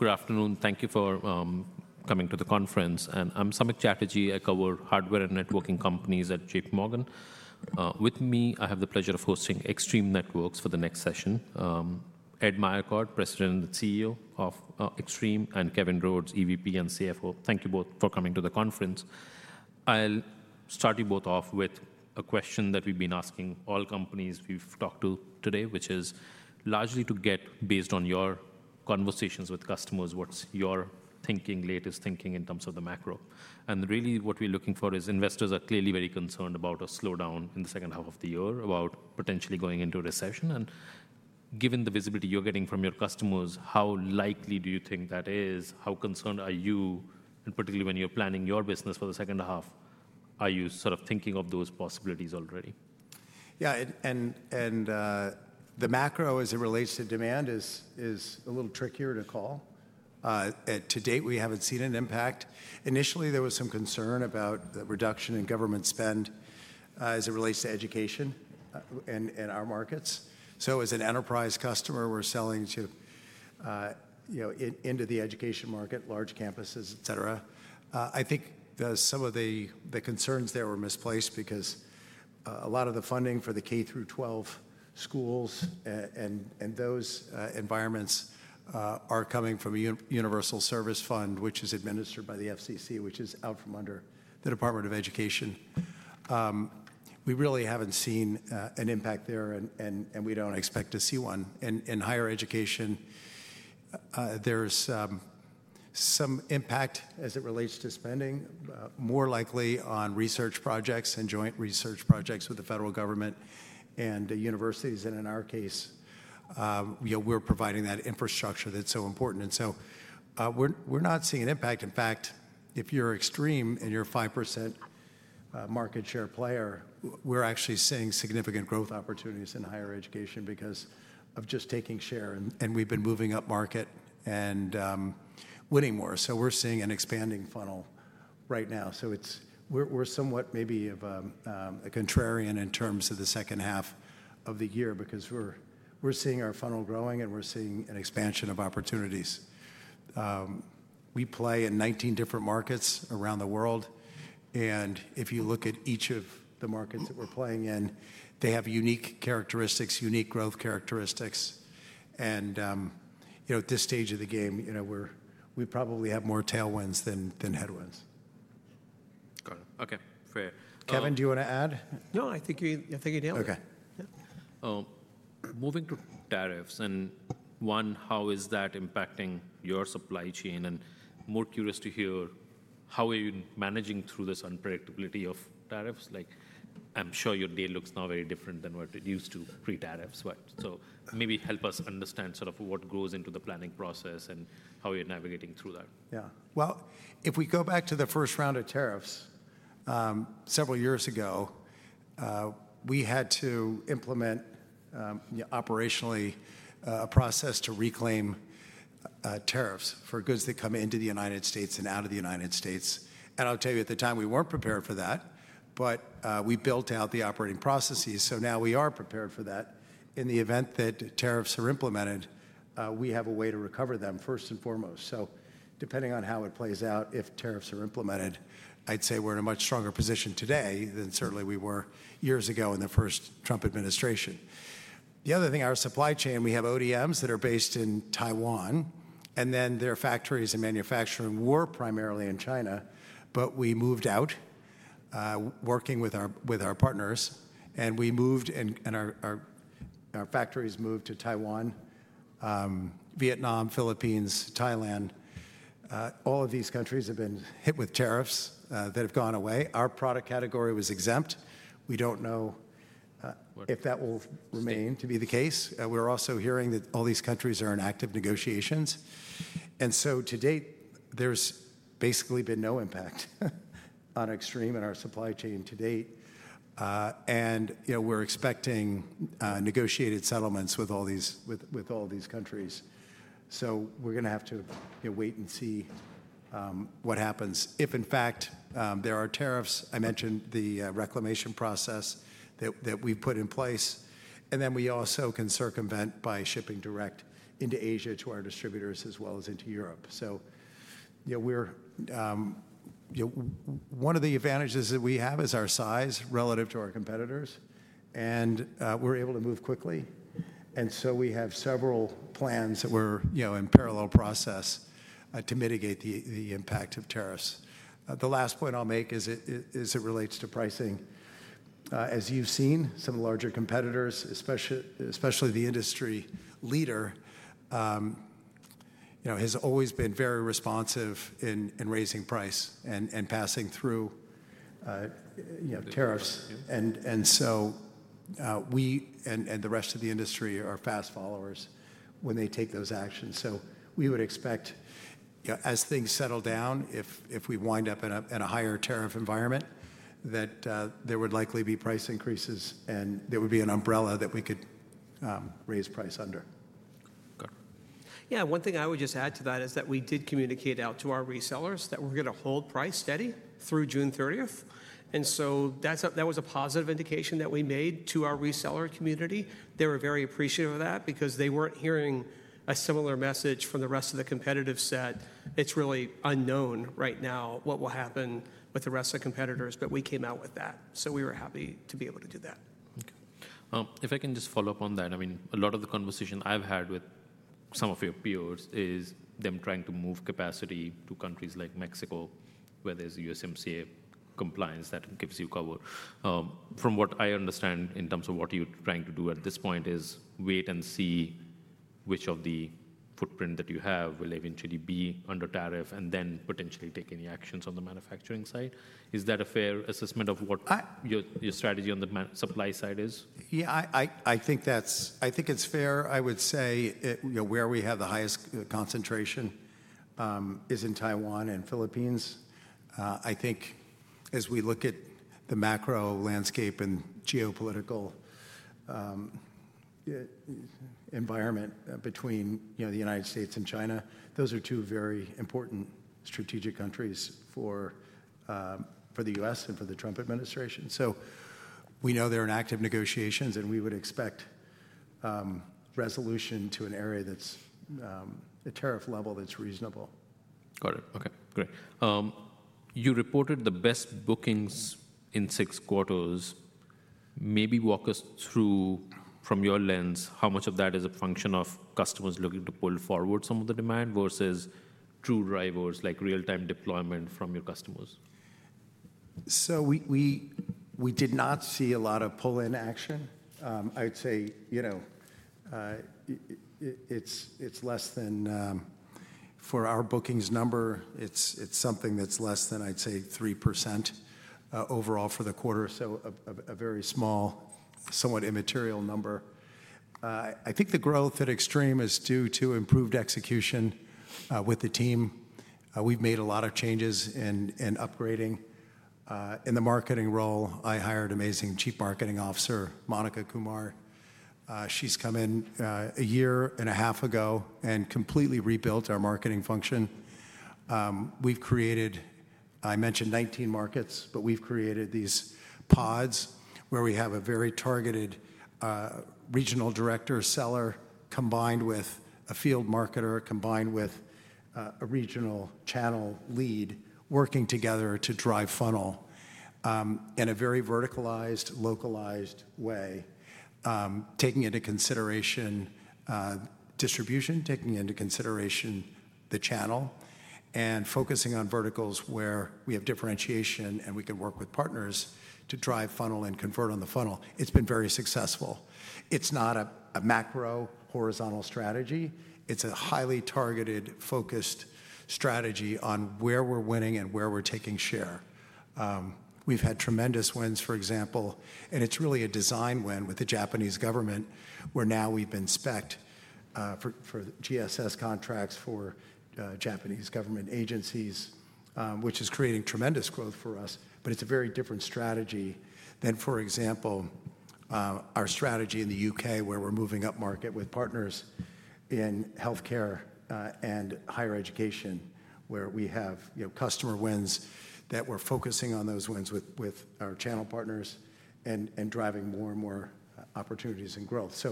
Good afternoon. Thank you for coming to the conference. I'm Samik Chatterjee. I cover hardware and networking companies at JPMorgan Chase & Co. With me, I have the pleasure of hosting Extreme Networks for the next session. Ed Meyercord, President and CEO of Extreme, and Kevin Rhodes, EVP and CFO. Thank you both for coming to the conference. I'll start you both off with a question that we've been asking all companies we've talked to today, which is largely to get, based on your conversations with customers, what's your thinking, latest thinking in terms of the macro. Really what we're looking for is investors are clearly very concerned about a slowdown in the second half of the year, about potentially going into a recession. Given the visibility you're getting from your customers, how likely do you think that is? How concerned are you, and particularly when you're planning your business for the second half, are you sort of thinking of those possibilities already? Yeah, and the macro as it relates to demand is a little trickier to call. To date, we haven't seen an impact. Initially, there was some concern about the reduction in government spend, as it relates to education, in our markets. As an enterprise customer, we're selling to, you know, into the education market, large campuses, et cetera. I think that some of the concerns there were misplaced because a lot of the funding for the K-12 schools, and those environments, are coming from a Universal Service Fund, which is administered by the FCC, which is out from under the Department of Education. We really haven't seen an impact there, and we don't expect to see one. In higher education, there's some impact as it relates to spending, more likely on research projects and joint research projects with the federal government and the universities. In our case, you know, we're providing that infrastructure that's so important. We're not seeing an impact. In fact, if you're Extreme and you're a 5% market share player, we're actually seeing significant growth opportunities in higher education because of just taking share. We've been moving up market and winning more. We're seeing an expanding funnel right now. We're somewhat maybe of a contrarian in terms of the second half of the year because we're seeing our funnel growing and we're seeing an expansion of opportunities. We play in 19 different markets around the world. If you look at each of the markets that we're playing in, they have unique characteristics, unique growth characteristics. At this stage of the game, you know, we probably have more tailwinds than headwinds. Got it. Okay. Fair. Kevin, do you wanna add? No, I think you, I think you nailed it. Okay. Yeah. Moving to tariffs and one, how is that impacting your supply chain? I am more curious to hear how are you managing through this unpredictability of tariffs. Like, I am sure your day looks now very different than what it used to pre-tariffs, right? Maybe help us understand sort of what goes into the planning process and how you are navigating through that. Yeah. If we go back to the first round of tariffs, several years ago, we had to implement, you know, operationally, a process to reclaim tariffs for goods that come into the United States and out of the United States. I'll tell you at the time we were not prepared for that, but we built out the operating processes. Now we are prepared for that. In the event that tariffs are implemented, we have a way to recover them first and foremost. Depending on how it plays out, if tariffs are implemented, I'd say we are in a much stronger position today than certainly we were years ago in the first Trump administration. The other thing, our supply chain, we have ODMs that are based in Taiwan, and then their factories and manufacturing were primarily in China, but we moved out, working with our partners. We moved and our factories moved to Taiwan, Vietnam, Philippines, Thailand. All of these countries have been hit with tariffs that have gone away. Our product category was exempt. We do not know if that will remain to be the case. We are also hearing that all these countries are in active negotiations. To date, there has basically been no impact on Extreme and our supply chain to date. You know, we are expecting negotiated settlements with all these countries. We are going to have to wait and see what happens. If in fact there are tariffs, I mentioned the reclamation process that we have put in place. We also can circumvent by shipping direct into Asia to our distributors as well as into Europe. You know, one of the advantages that we have is our size relative to our competitors, and we're able to move quickly. We have several plans that we're, you know, in parallel process to mitigate the impact of tariffs. The last point I'll make is, as it relates to pricing, as you've seen, some of the larger competitors, especially the industry leader, you know, has always been very responsive in raising price and passing through tariffs. We and the rest of the industry are fast followers when they take those actions. We would expect, as things settle down, if we wind up in a higher tariff environment, that there would likely be price increases and there would be an umbrella that we could raise price under. Good. Yeah. One thing I would just add to that is that we did communicate out to our resellers that we're gonna hold price steady through June 30th. That was a positive indication that we made to our reseller community. They were very appreciative of that because they weren't hearing a similar message from the rest of the competitive set. It's really unknown right now what will happen with the rest of the competitors, but we came out with that. We were happy to be able to do that. Okay. If I can just follow up on that, I mean, a lot of the conversation I've had with some of your peers is them trying to move capacity to countries like Mexico, where there's USMCA compliance that gives you cover. From what I understand in terms of what you're trying to do at this point is wait and see which of the footprint that you have will eventually be under tariff and then potentially take any actions on the manufacturing side. Is that a fair assessment of what your strategy on the supply side is? Yeah, I think that's, I think it's fair. I would say, you know, where we have the highest concentration is in Taiwan and Philippines. I think as we look at the macro landscape and geopolitical environment between, you know, the United States and China, those are two very important strategic countries for the U.S. and for the Trump administration. We know they're in active negotiations and we would expect resolution to an area that's a tariff level that's reasonable. Got it. Okay. Great. You reported the best bookings in six quarters. Maybe walk us through from your lens how much of that is a function of customers looking to pull forward some of the demand versus true drivers like real-time deployment from your customers? We did not see a lot of pull-in action. I'd say, you know, it's less than, for our bookings number, it's something that's less than, I'd say, 3% overall for the quarter. A very small, somewhat immaterial number. I think the growth at Extreme is due to improved execution with the team. We've made a lot of changes in upgrading. In the marketing role, I hired amazing Chief Marketing Officer Monica Kumar. She's come in a year and a half ago and completely rebuilt our marketing function. We've created, I mentioned 19 markets, but we've created these pods where we have a very targeted, regional director seller combined with a field marketer, combined with a regional channel lead working together to drive funnel, in a very verticalized, localized way, taking into consideration distribution, taking into consideration the channel, and focusing on verticals where we have differentiation and we can work with partners to drive funnel and convert on the funnel. It's been very successful. It's not a macro horizontal strategy. It's a highly targeted, focused strategy on where we're winning and where we're taking share. We've had tremendous wins, for example, and it's really a design win with the Japanese government where now we've been spec'd for GSS contracts for Japanese government agencies, which is creating tremendous growth for us. It's a very different strategy than, for example, our strategy in the U.K. where we're moving up market with partners in healthcare and higher education where we have, you know, customer wins that we're focusing on, those wins with our channel partners and driving more and more opportunities and growth.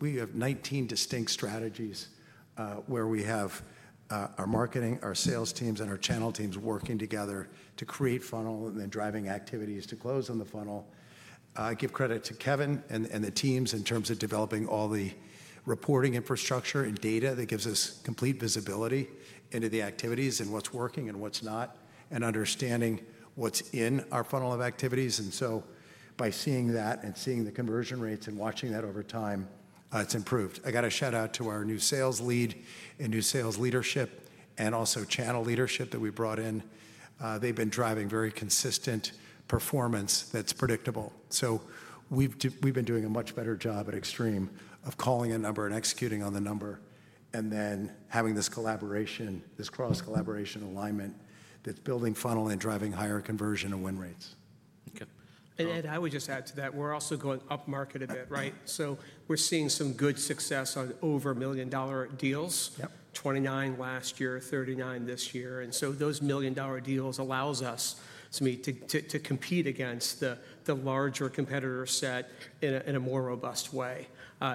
We have 19 distinct strategies, where we have our marketing, our sales teams, and our channel teams working together to create funnel and then driving activities to close on the funnel. I give credit to Kevin and the teams in terms of developing all the reporting infrastructure and data that gives us complete visibility into the activities and what's working and what's not, and understanding what's in our funnel of activities. By seeing that and seeing the conversion rates and watching that over time, it's improved. I got a shout out to our new sales lead and new sales leadership and also channel leadership that we brought in. They've been driving very consistent performance that's predictable. So we've been doing a much better job at Extreme of calling a number and executing on the number and then having this collaboration, this cross-collaboration alignment that's building funnel and driving higher conversion and win rates. Okay. I would just add to that, we're also going up market a bit, right? So we're seeing some good success on over $1 million deals. Yep. 29 last year, 39 this year. And so those million dollar deals allow us to compete against the larger competitor set in a more robust way.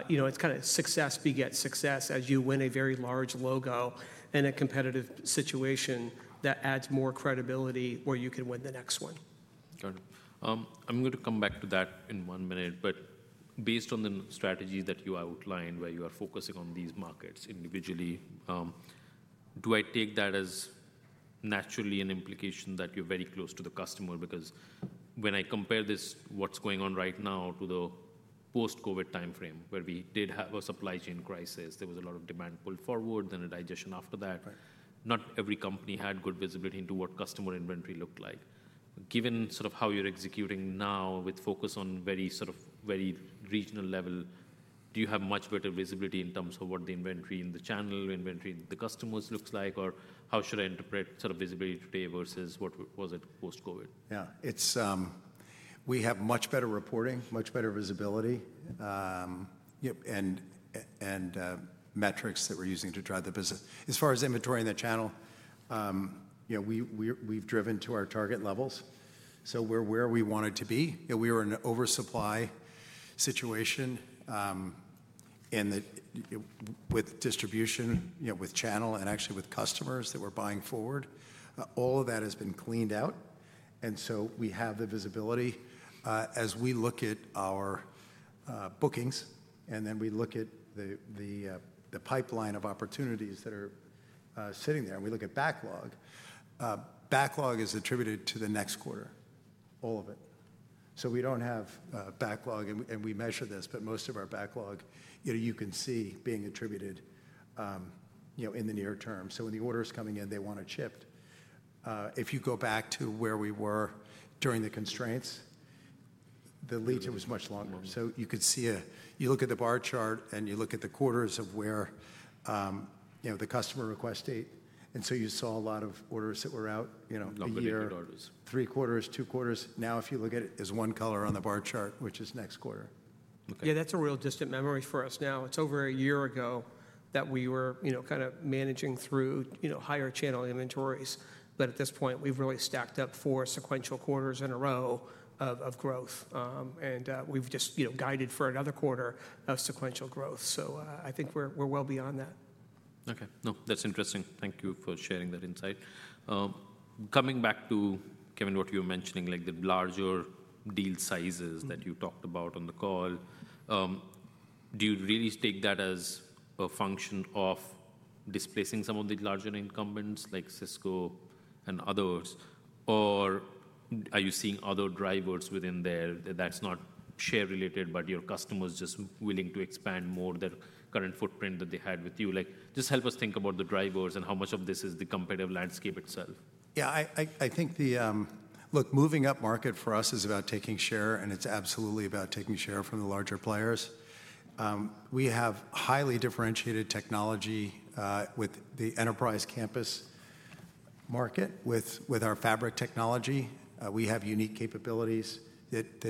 You know, it's kind of success begets success as you win a very large logo in a competitive situation that adds more credibility where you can win the next one. Got it. I'm gonna come back to that in one minute, but based on the strategy that you outlined where you are focusing on these markets individually, do I take that as naturally an implication that you're very close to the customer? Because when I compare this, what's going on right now to the post-COVID timeframe where we did have a supply chain crisis, there was a lot of demand pulled forward, then a digestion after that. Not every company had good visibility into what customer inventory looked like. Given sort of how you're executing now with focus on very sort of very regional level, do you have much better visibility in terms of what the inventory in the channel inventory in the customers looks like? Or how should I interpret sort of visibility today versus what was it post-COVID? Yeah, it's, we have much better reporting, much better visibility, you know, and metrics that we're using to drive the business. As far as inventory in the channel, you know, we've driven to our target levels. Where we wanted to be, you know, we were in an oversupply situation, and that with distribution, you know, with channel and actually with customers that were buying forward, all of that has been cleaned out. We have the visibility, as we look at our bookings and then we look at the pipeline of opportunities that are sitting there and we look at backlog. Backlog is attributed to the next quarter, all of it. We don't have backlog, and we measure this, but most of our backlog, you know, you can see being attributed, you know, in the near term. When the orders are coming in, they want it shipped. If you go back to where we were during the constraints, the lead time was much longer. You could see, you look at the bar chart and you look at the quarters of where, you know, the customer request date. You saw a lot of orders that were out, you know, a year. Three quarters. Three quarters, two quarters. Now, if you look at it as one color on the bar chart, which is next quarter. Okay. Yeah, that's a real distant memory for us now. It's over a year ago that we were, you know, kind of managing through, you know, higher channel inventories. At this point, we've really stacked up four sequential quarters in a row of growth, and we've just, you know, guided for another quarter of sequential growth. I think we're well beyond that. Okay. No, that's interesting. Thank you for sharing that insight. Coming back to Kevin, what you were mentioning, like the larger deal sizes that you talked about on the call, do you really take that as a function of displacing some of the larger incumbents like Cisco and others? Or are you seeing other drivers within there that's not share related, but your customers just willing to expand more their current footprint that they had with you? Like, just help us think about the drivers and how much of this is the competitive landscape itself. Yeah, I think the, look, moving up market for us is about taking share and it's absolutely about taking share from the larger players. We have highly differentiated technology, with the enterprise campus market, with our fabric technology. We have unique capabilities that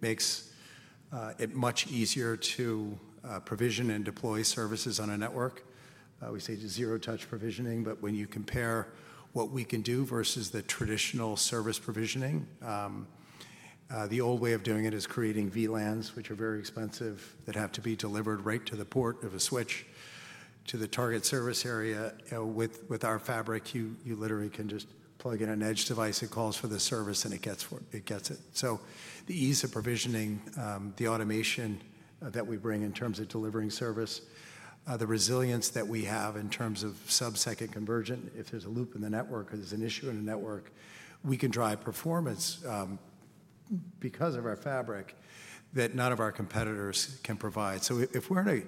make it much easier to provision and deploy services on a network. We say zero touch provisioning, but when you compare what we can do versus the traditional service provisioning, the old way of doing it is creating VLANs, which are very expensive, that have to be delivered right to the port of a switch to the target service area. You know, with our fabric, you literally can just plug in an edge device, it calls for the service and it gets it. The ease of provisioning, the automation that we bring in terms of delivering service, the resilience that we have in terms of subsecond convergence, if there is a loop in the network or there is an issue in the network, we can drive performance because of our fabric that none of our competitors can provide. If we are in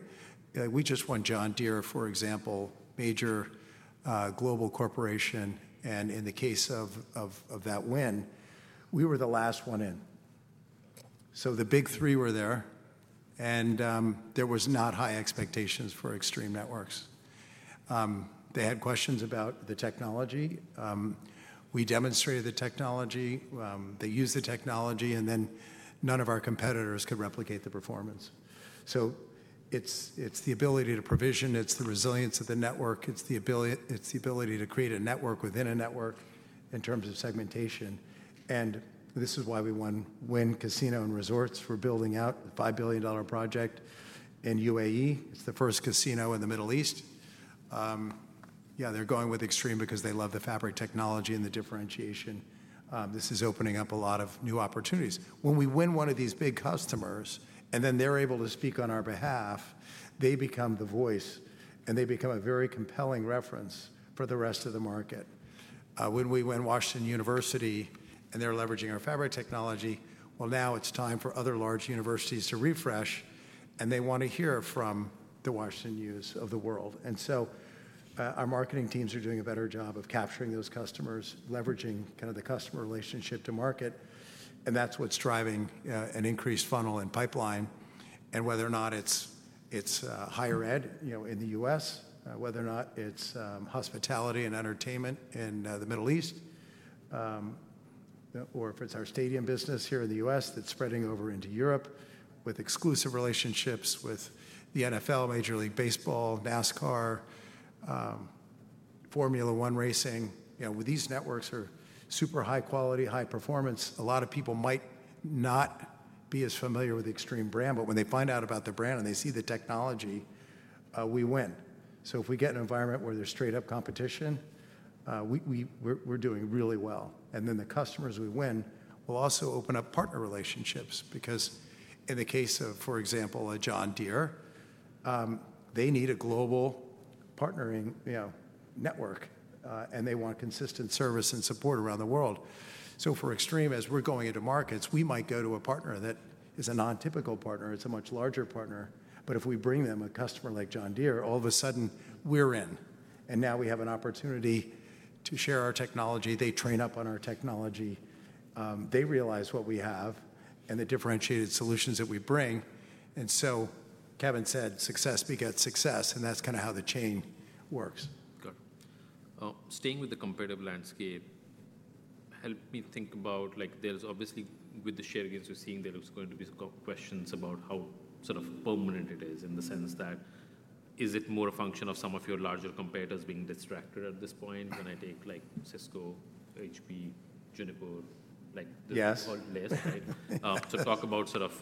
a, we just won John Deere, for example, major global corporation. In the case of that win, we were the last one in. The big three were there, and there was not high expectations for Extreme Networks. They had questions about the technology. We demonstrated the technology, they used the technology, and then none of our competitors could replicate the performance. It is the ability to provision, it is the resilience of the network, it is the ability, it is the ability to create a network within a network in terms of segmentation. This is why we won Wynn Resorts for building out a $5 billion project in U.A.E. It is the first casino in the Middle East. Yeah, they are going with Extreme because they love the fabric technology and the differentiation. This is opening up a lot of new opportunities. When we win one of these big customers and then they are able to speak on our behalf, they become the voice and they become a very compelling reference for the rest of the market. When we win Washington University and they are leveraging our fabric technology, well, now it is time for other large universities to refresh and they want to hear from the Washington news of the world. Our marketing teams are doing a better job of capturing those customers, leveraging kind of the customer relationship to market. That's what's driving an increased funnel and pipeline, and whether or not it's higher ed, you know, in the U.S., whether or not it's hospitality and entertainment in the Middle East, or if it's our stadium business here in the U.S. that's spreading over into Europe with exclusive relationships with the NFL, Major League Baseball, NASCAR, Formula One Racing, you know, these networks are super high quality, high performance. A lot of people might not be as familiar with the Extreme brand, but when they find out about the brand and they see the technology, we win. If we get an environment where there's straight up competition, we're doing really well. The customers we win will also open up partner relationships because in the case of, for example, a John Deere, they need a global partnering, you know, network, and they want consistent service and support around the world. For Extreme, as we're going into markets, we might go to a partner that is a non-typical partner. It's a much larger partner. If we bring them a customer like John Deere, all of a sudden we're in and now we have an opportunity to share our technology. They train up on our technology, they realize what we have and the differentiated solutions that we bring. Kevin said, success begets success. That's kind of how the chain works. Got it. Staying with the competitive landscape, help me think about, like, there's obviously with the share against, we're seeing there's going to be questions about how sort of permanent it is in the sense that is it more a function of some of your larger competitors being distracted at this point? When I take like Cisco, HPE, Juniper, like the. Yes. All list, right? So talk about sort of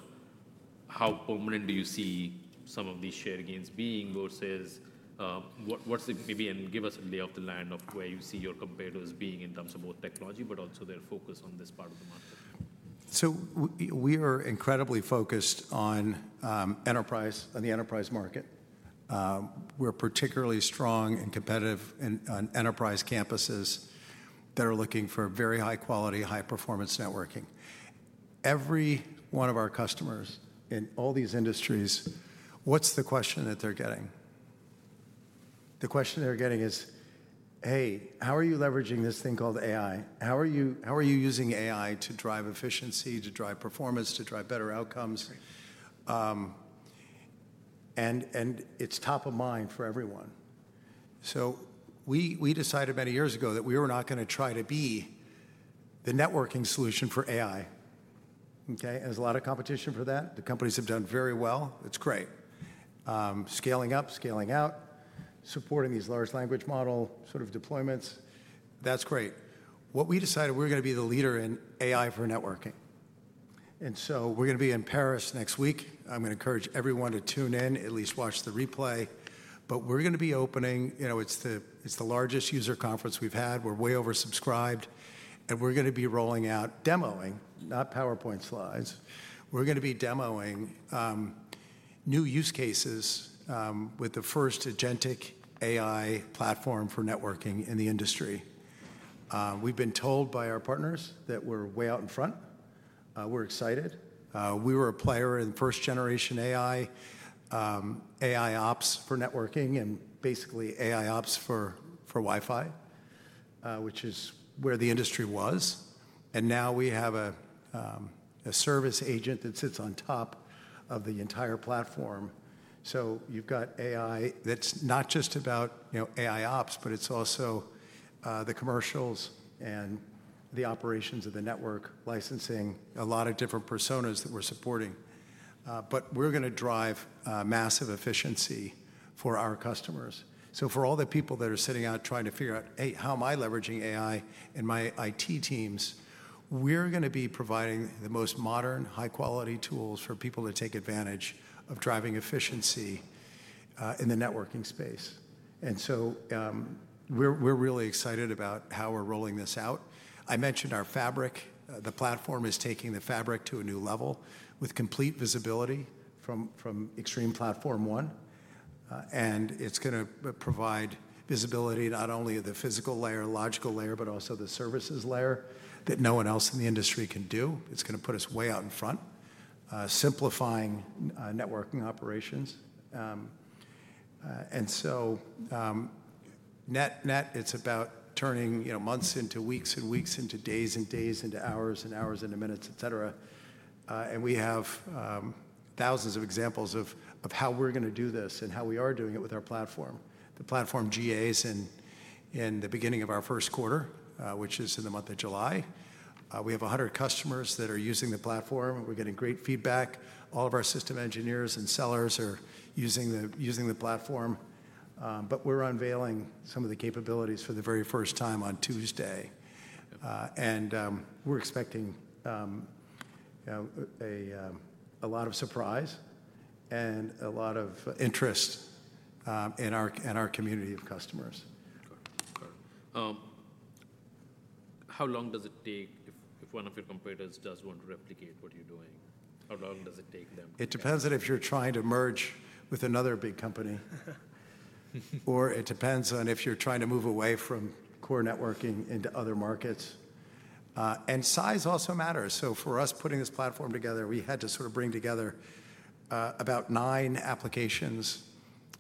how permanent do you see some of these share gains being versus, what, what's the maybe and give us a lay of the land of where you see your competitors being in terms of both technology, but also their focus on this part of the market. We are incredibly focused on enterprise and the enterprise market. We're particularly strong and competitive on enterprise campuses that are looking for very high quality, high performance networking. Every one of our customers in all these industries, what's the question that they're getting? The question they're getting is, hey, how are you leveraging this thing called AI? How are you, how are you using AI to drive efficiency, to drive performance, to drive better outcomes? It's top of mind for everyone. We decided many years ago that we were not gonna try to be the networking solution for AI. There is a lot of competition for that. The companies have done very well. It's great. Scaling up, scaling out, supporting these large language model sort of deployments. That's great. What we decided, we were gonna be the leader in AI for networking. We're gonna be in Paris next week. I'm gonna encourage everyone to tune in, at least watch the replay. We're gonna be opening, you know, it's the largest user conference we've had. We're way oversubscribed and we're gonna be rolling out demoing, not PowerPoint slides. We're gonna be demoing new use cases, with the first agentic AI platform for networking in the industry. We've been told by our partners that we're way out in front. We're excited. We were a player in first generation AI, AI Ops for networking and basically AI Ops for Wi-Fi, which is where the industry was. Now we have a service agent that sits on top of the entire platform. You've got AI that's not just about, you know, AI Ops, but it's also the commercials and the operations of the network licensing, a lot of different personas that we're supporting. We're gonna drive massive efficiency for our customers. For all the people that are sitting out trying to figure out, hey, how am I leveraging AI in my IT teams, we're gonna be providing the most modern, high quality tools for people to take advantage of driving efficiency in the networking space. We're really excited about how we're rolling this out. I mentioned our fabric, the platform is taking the fabric to a new level with complete visibility from Extreme Platform ONE. It's gonna provide visibility not only at the physical layer, logical layer, but also the services layer that no one else in the industry can do. It's gonna put us way out in front, simplifying networking operations. Net, net, it's about turning, you know, months into weeks and weeks into days and days into hours and hours into minutes, et cetera. We have thousands of examples of how we're gonna do this and how we are doing it with our platform. The platform GAs in the beginning of our first quarter, which is in the month of July. We have 100 customers that are using the platform. We're getting great feedback. All of our system engineers and sellers are using the platform. We're unveiling some of the capabilities for the very first time on Tuesday. We're expecting, you know, a lot of surprise and a lot of interest in our community of customers. Got it. Got it. How long does it take if one of your competitors does want to replicate what you're doing? How long does it take them? It depends on if you're trying to merge with another big company or it depends on if you're trying to move away from core networking into other markets. Size also matters. For us putting this platform together, we had to sort of bring together about nine applications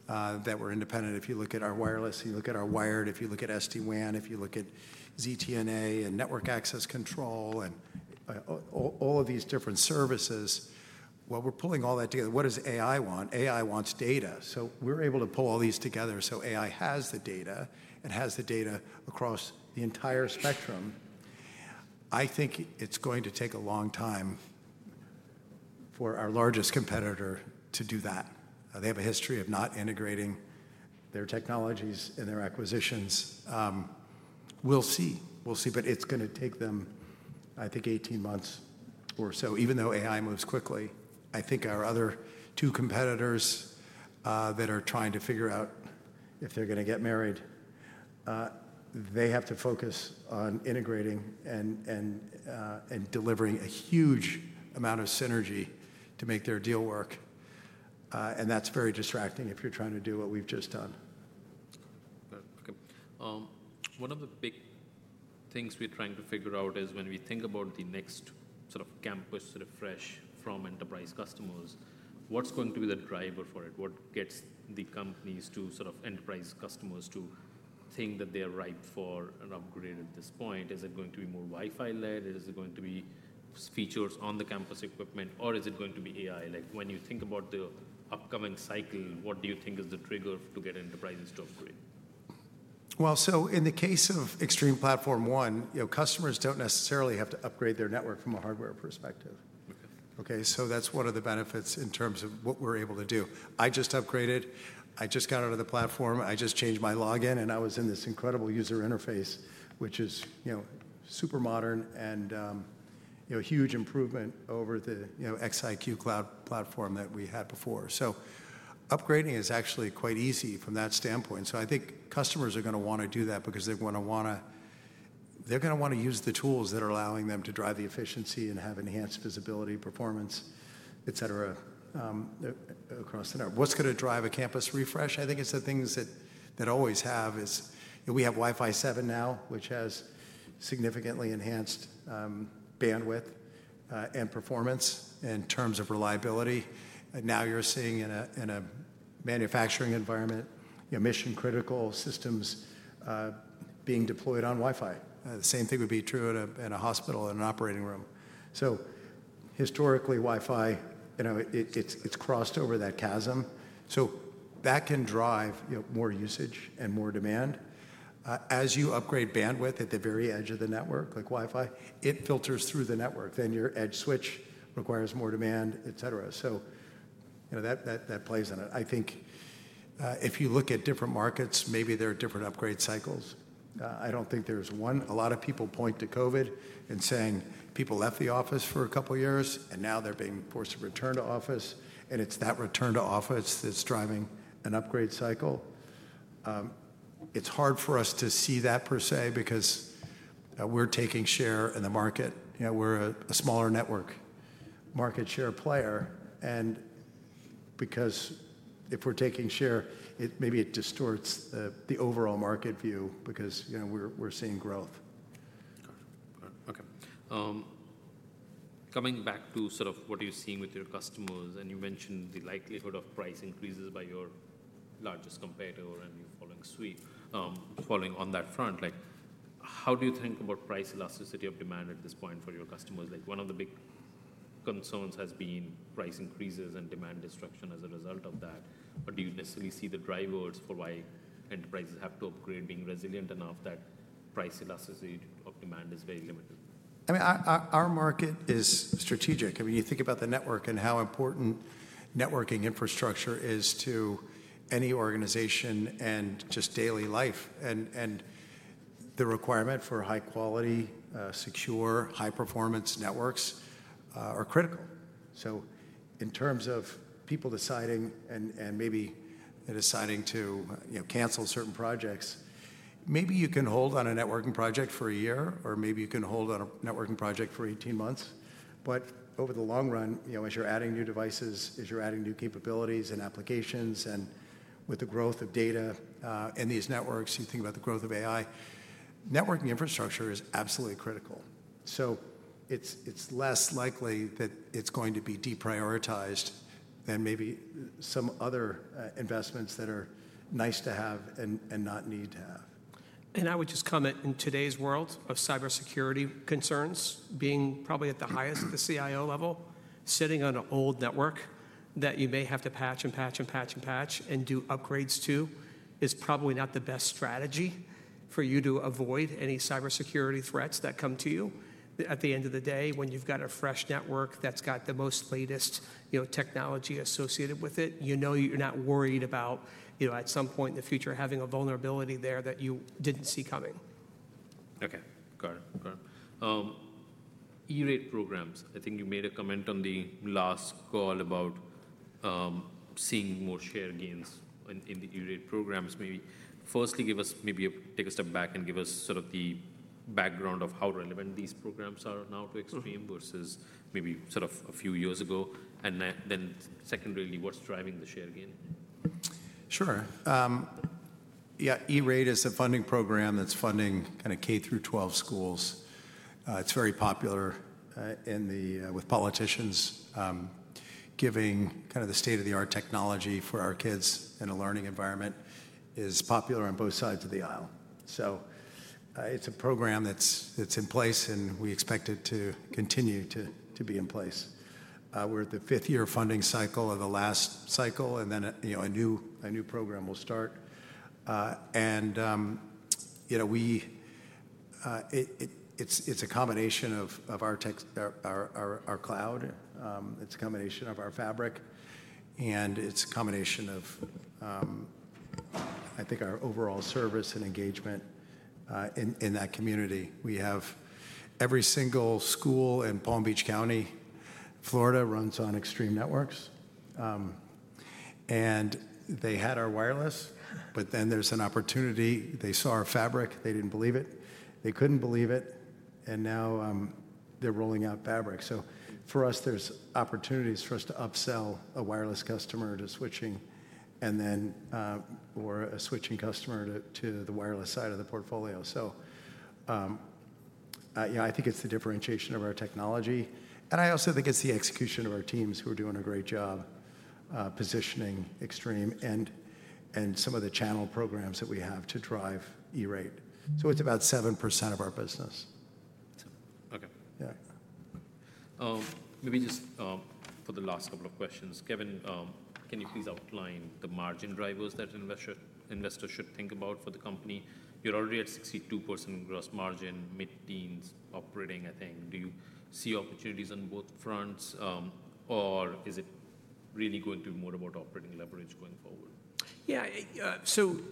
that were independent. If you look at our wireless, you look at our wired, if you look at SD-WAN, if you look at ZTNA and network access control, and all of these different services, while we're pulling all that together, what does AI want? AI wants data. We're able to pull all these together so AI has the data and has the data across the entire spectrum. I think it's going to take a long time for our largest competitor to do that. They have a history of not integrating their technologies in their acquisitions. We'll see, we'll see, but it's gonna take them, I think, 18 months or so, even though AI moves quickly. I think our other two competitors that are trying to figure out if they're gonna get married, they have to focus on integrating and delivering a huge amount of synergy to make their deal work. And that's very distracting if you're trying to do what we've just done. Got it. Okay. One of the big things we are trying to figure out is when we think about the next sort of campus refresh from enterprise customers, what's going to be the driver for it? What gets the companies to sort of enterprise customers to think that they are ripe for an upgrade at this point? Is it going to be more Wi-Fi led? Is it going to be features on the campus equipment or is it going to be AI? Like when you think about the upcoming cycle, what do you think is the trigger to get enterprises to upgrade? In the case of Extreme Platform ONE, you know, customers don't necessarily have to upgrade their network from a hardware perspective. Okay. Okay. So that's one of the benefits in terms of what we're able to do. I just upgraded, I just got out of the platform, I just changed my login and I was in this incredible user interface, which is, you know, super modern and, you know, huge improvement over the, you know, XIQ Cloud platform that we had before. Upgrading is actually quite easy from that standpoint. I think customers are gonna wanna do that because they're gonna wanna, they're gonna wanna use the tools that are allowing them to drive the efficiency and have enhanced visibility, performance, et cetera, across the network. What's gonna drive a campus refresh? I think it's the things that, that always have is, you know, we have Wi-Fi 7 now, which has significantly enhanced, bandwidth, and performance in terms of reliability. Now you're seeing in a manufacturing environment, you know, mission critical systems being deployed on Wi-Fi. The same thing would be true in a hospital in an operating room. Historically, Wi-Fi, you know, it's crossed over that chasm. That can drive, you know, more usage and more demand. As you upgrade bandwidth at the very edge of the network, like Wi-Fi, it filters through the network, then your edge switch requires more demand, et cetera. You know, that plays in it. I think if you look at different markets, maybe there are different upgrade cycles. I don't think there's one. A lot of people point to COVID and say people left the office for a couple of years and now they're being forced to return to office. It's that return to office that's driving an upgrade cycle. It's hard for us to see that per se because we're taking share in the market. You know, we're a smaller network market share player. And because if we're taking share, maybe it distorts the overall market view because, you know, we're seeing growth. Got it. Okay. Coming back to sort of what you're seeing with your customers and you mentioned the likelihood of price increases by your largest competitor and you're following suit, following on that front, like how do you think about price elasticity of demand at this point for your customers? Like one of the big concerns has been price increases and demand destruction as a result of that. Do you necessarily see the drivers for why enterprises have to upgrade, being resilient enough that price elasticity of demand is very limited? I mean, our market is strategic. I mean, you think about the network and how important networking infrastructure is to any organization and just daily life. And the requirement for high quality, secure, high performance networks are critical. In terms of people deciding and maybe deciding to, you know, cancel certain projects, maybe you can hold on a networking project for a year or maybe you can hold on a networking project for 18 months. Over the long run, you know, as you're adding new devices, as you're adding new capabilities and applications and with the growth of data in these networks, you think about the growth of AI, networking infrastructure is absolutely critical. It is less likely that it's going to be deprioritized than maybe some other investments that are nice to have and not need to have. I would just comment in today's world of cybersecurity concerns being probably at the highest at the CIO level, sitting on an old network that you may have to patch and patch and patch and do upgrades to is probably not the best strategy for you to avoid any cybersecurity threats that come to you. At the end of the day, when you've got a fresh network that's got the most latest, you know, technology associated with it, you know, you're not worried about, you know, at some point in the future having a vulnerability there that you didn't see coming. Okay. Got it. Got it. E-rate programs, I think you made a comment on the last call about seeing more share gains in the E-rate programs. Maybe firstly give us, maybe take a step back and give us sort of the background of how relevant these programs are now to Extreme versus maybe sort of a few years ago. Then secondarily, what's driving the share gain? Sure. Yeah. E-rate is a funding program that's funding kind of K-12 schools. It's very popular, with politicians. Giving kind of the state of the art technology for our kids in a learning environment is popular on both sides of the aisle. It's a program that's in place and we expect it to continue to be in place. We're at the fifth year funding cycle of the last cycle and then, you know, a new program will start. And, you know, we, it's a combination of our tech, our cloud. It's a combination of our fabric and it's a combination of, I think, our overall service and engagement in that community. We have every single school in Palm Beach County, Florida runs on Extreme Networks. and they had our wireless, but then there's an opportunity, they saw our fabric, they didn't believe it, they couldn't believe it. Now, they're rolling out fabric. For us, there's opportunities for us to upsell a wireless customer to switching and then, or a switching customer to the wireless side of the portfolio. Yeah, I think it's the differentiation of our technology. I also think it's the execution of our teams who are doing a great job, positioning Extreme and some of the channel programs that we have to drive E-rate. It's about 7% of our business. Okay. Yeah. Maybe just, for the last couple of questions, Kevin, can you please outline the margin drivers that investors should think about for the company? You're already at 62% gross margin, mid-teens operating, I think. Do you see opportunities on both fronts, or is it really going to be more about operating leverage going forward? Yeah.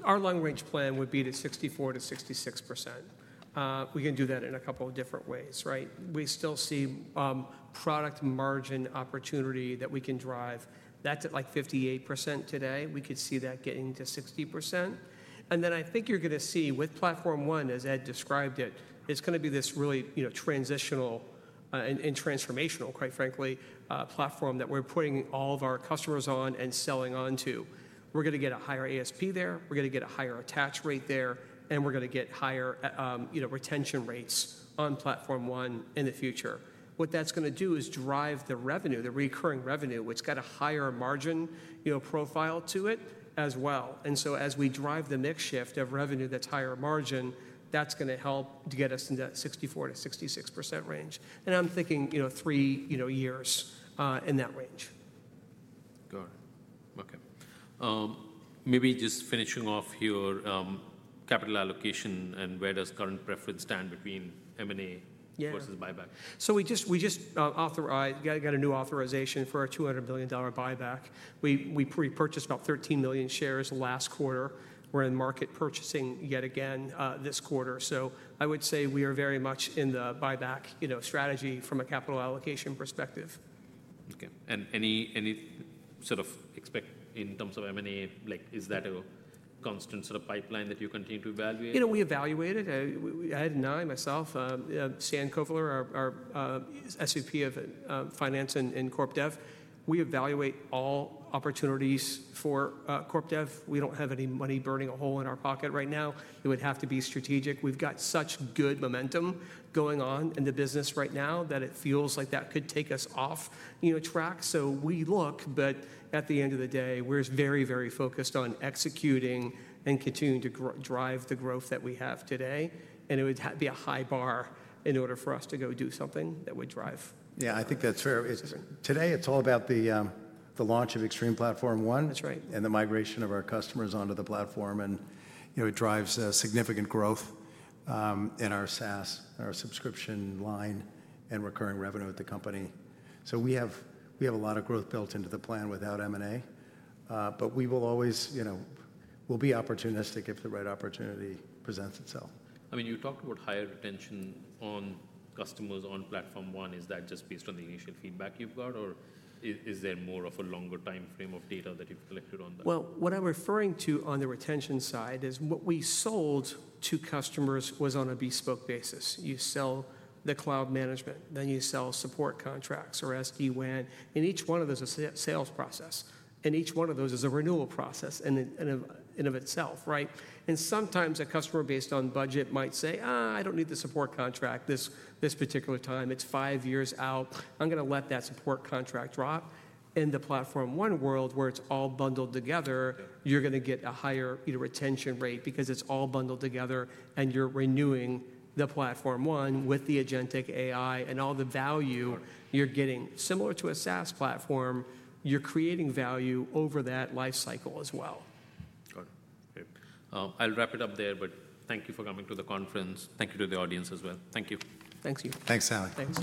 Our long range plan would be at 64%-66%. We can do that in a couple of different ways, right? We still see product margin opportunity that we can drive that to like 58% today. We could see that getting to 60%. I think you're gonna see with Platform ONE, as Ed described it, it's gonna be this really, you know, transitional, and, and transformational, quite frankly, platform that we're putting all of our customers on and selling onto. We're gonna get a higher ASP there. We're gonna get a higher attach rate there, and we're gonna get higher, you know, retention rates on Platform ONE in the future. What that's gonna do is drive the revenue, the recurring revenue, which got a higher margin, you know, profile to it as well. As we drive the mix shift of revenue that's higher margin, that's gonna help to get us into that 64-66% range. I'm thinking, you know, three, you know, years, in that range. Got it. Okay. Maybe just finishing off here, capital allocation and where does current preference stand between M&A versus buyback? Yeah. We just authorized, got a new authorization for our $200 million buyback. We pre-purchased about 13 million shares last quarter. We're in market purchasing yet again this quarter. I would say we are very much in the buyback, you know, strategy from a capital allocation perspective. Okay. Any, any sort of expect in terms of M&A, like is that a constant sort of pipeline that you continue to evaluate? You know, we evaluate it. I had nine myself, Stan Kovler, our SVP of Finance and Corp Dev. We evaluate all opportunities for Corp Dev. We do not have any money burning a hole in our pocket right now. It would have to be strategic. We have got such good momentum going on in the business right now that it feels like that could take us off track. We look, but at the end of the day, we are very, very focused on executing and continuing to drive the growth that we have today. It would be a high bar in order for us to go do something that would drive. Yeah, I think that's fair. Today, it's all about the launch of Extreme Platform ONE. That's right. The migration of our customers onto the platform drives significant growth in our SaaS, our subscription line, and recurring revenue at the company. We have a lot of growth built into the plan without M&A, but we will always be opportunistic if the right opportunity presents itself. I mean, you talked about higher retention on customers on Platform ONE. Is that just based on the initial feedback you have got, or is there more of a longer timeframe of data that you have collected on that? What I'm referring to on the retention side is what we sold to customers was on a bespoke basis. You sell the cloud management, then you sell support contracts or SD-WAN. And each one of those is a sales process. And each one of those is a renewal process in of itself, right? Sometimes a customer, based on budget, might say, I do not need the support contract this particular time. It is five years out. I am gonna let that support contract drop. In the Platform ONE world where it is all bundled together, you are gonna get a higher, you know, retention rate because it is all bundled together and you are renewing the Platform ONE with the agentic AI and all the value you are getting. Similar to a SaaS platform, you are creating value over that life cycle as well. Got it. Okay. I'll wrap it up there, but thank you for coming to the conference. Thank you to the audience as well. Thank you. Thanks to you. Thanks, Alan. Thanks.